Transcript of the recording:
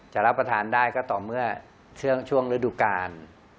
รับประทานได้ก็ต่อเมื่อช่วงฤดูกาล